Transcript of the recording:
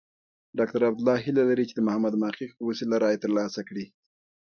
ډاکټر عبدالله هیله لري چې د محمد محقق په وسیله رایې ترلاسه کړي.